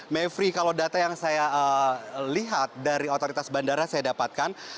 mevri kalau data yang saya lihat dari otoritas bandara saya dapatkan